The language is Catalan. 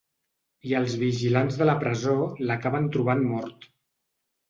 I els vigilants de la presó l’acaben trobant mort.